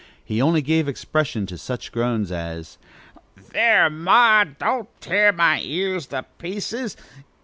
He only gave expression to such groans as: "Thar', ma! don't tear my ears to pieces!